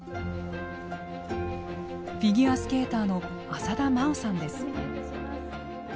フィギュアスケーターの浅田真央さんです。